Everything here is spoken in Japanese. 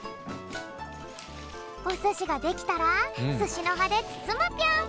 おすしができたらすしのはでつつむぴょん！